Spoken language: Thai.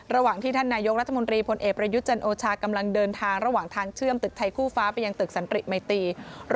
ระหว่างที่ท่านนายกรัฐมนตรีพลเอกประยุทธ์จันโอชากำลังเดินทางระหว่างทางเชื่อมตึกไทยคู่ฟ้าไปยังตึกสันติมัยตี